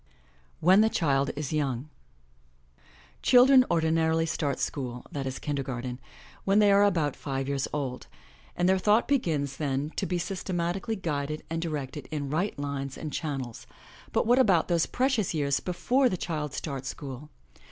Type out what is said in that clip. WHEN THE CHILD IS YOUNG iHILDREN ordinarily start school, that is kinder garten, when they are about five years old, and their thought begins then to be systematically guid ed and directed in right lines and channels, but what about those precious years before the child starts school?